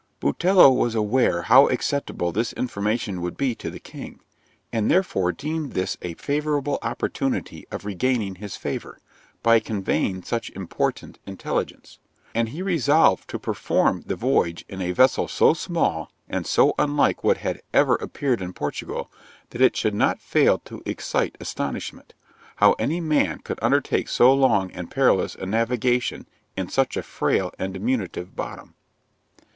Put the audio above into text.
Botelho was aware how acceptable this information would be to the king, and therefore deemed this a favourable opportunity of regaining his favour, by conveying such important intelligence; and he resolved to perform the voyage in a vessel so small, and so unlike what had ever appeared in Portugal, that it should not fail to excite astonishment, how any man could undertake so long and perilous a navigation, in such a frail and diminutive bottom.